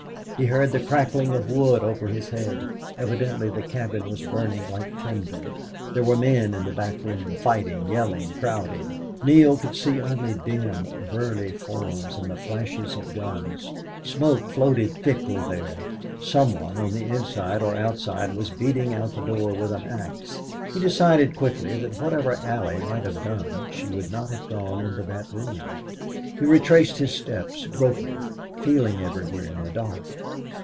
He heard the crackling of wood over his head. Evidently the cabin was burning like tinder. There were men in the back room, fighting, yelling, crowding. Neale could see only dim, burly forms and the flashes of guns. Smoke floated thickly there. Some one, on the inside or outside, was beating out the door with an axe. He decided quickly that whatever Allie might have done she would not have gone into that room. He retraced his steps, groping, feeling everywhere in the dark.